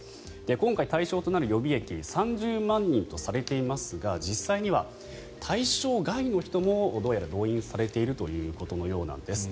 今回対象となる予備役３０万人とされていますが実際には対象外の人もどうやら動員されているということのようです。